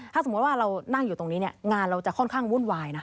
ถ้าสมมุติว่าเรานั่งอยู่ตรงนี้เนี่ยงานเราจะค่อนข้างวุ่นวายนะ